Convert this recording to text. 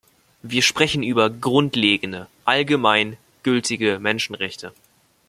Wir sprechen über grundlegende, allgemein gültige Menschenrechte.